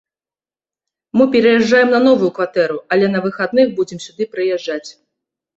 Мы пераязджаем на новую кватэру, але на выхадных будзем сюды прыязджаць.